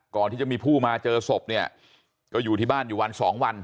ก่อนที่จะมีผู้มาเจอศพเนี่ยก็อยู่ที่บ้านอยู่วันสองวัน